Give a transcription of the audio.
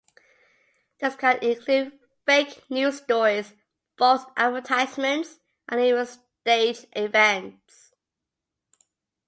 This can include fake news stories, false advertisements, and even staged events.